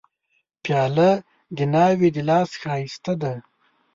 پیاله د ناوې د لاس ښایسته ده.